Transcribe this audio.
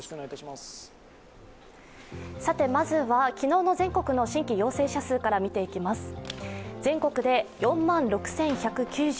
まずは昨日の全国の新規陽性者数から見ていきます。